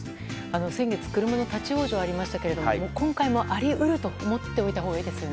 先月車の立ち往生がありましたが今回もあり得ると思っていたほうがいいですよね。